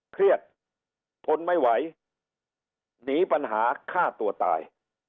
เครียดทนไม่ไหวหนีปัญหาฆ่าตัวตาย